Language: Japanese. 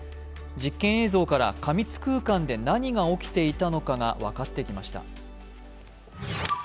実験映像から過密空間で何が起きていたのかが分かってきました。